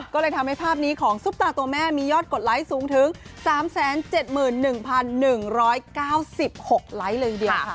ก็เลยทำให้ภาพนี้ของซุปตาตัวแม่มียอดกดไลค์สูงถึง๓๗๑๑๙๖ไลค์เลยทีเดียวค่ะ